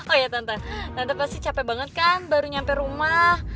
oh ya tante pasti capek banget kan baru nyampe rumah